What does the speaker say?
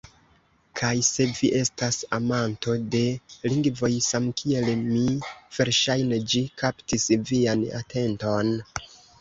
Kaj se vi estas amanto de lingvoj samkiel mi verŝajne ĝi kaptis vian atenton